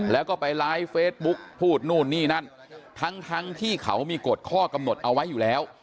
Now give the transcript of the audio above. แล้วก็ไปไลฟ์เฟซบุ๊กพูดนู่นนี่นั่นทั้งที่เขามีกฎข้อกำหนดเอาไว้อยู่แล้ว